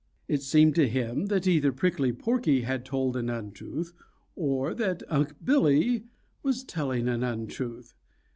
It seemed to him that either Prickly Porky had told an untruth or that Unc' Billy was telling an untruth.